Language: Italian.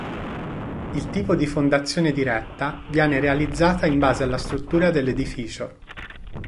Il tipo di fondazione diretta viene realizzata in base alla struttura dell'edificio.